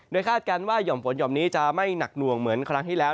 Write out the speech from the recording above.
คาดการณ์ว่าหย่อมฝนห่อมนี้จะไม่หนักหน่วงเหมือนครั้งที่แล้ว